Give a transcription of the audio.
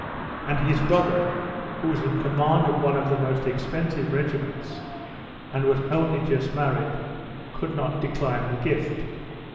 And his brother, who was in command of one of the most expensive regiments, and was only just married, could not decline the gift.